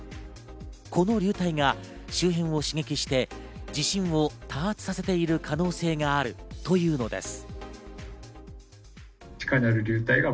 この流体が周辺を刺激して、地震を多発させている可能性があるというのです。